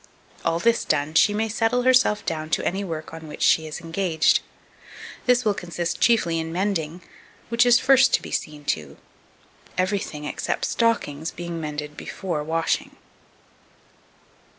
All this done, she may settle herself down to any work on which she is engaged. This will consist chiefly in mending; which is first to be seen to; everything, except stockings, being mended before washing.